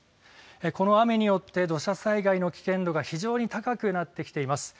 この雨によって土砂災害の危険度が非常に高くなってきています。